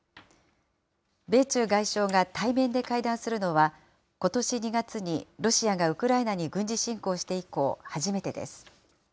米中外相が対面で会談するのは、ことし２月にロシアがウクライナに軍事侵攻して以降、初めてです。